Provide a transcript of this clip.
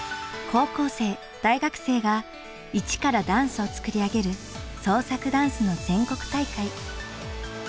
高校生大学生が一からダンスをつくり上げる創作ダンスの全国大会。